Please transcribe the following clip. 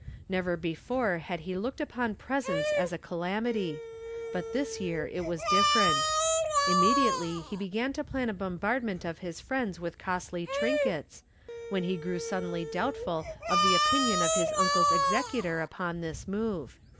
Never before had he looked upon presents as a calamity; but this year it was different. Immediately he began to plan a bombardment of his friends with costly trinkets, when he grew suddenly doubtful of the opinion of his uncle's executor upon this move.